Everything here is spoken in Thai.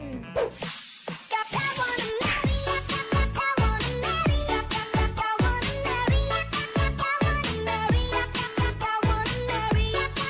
เจ้าแจ๊กริมเจ้า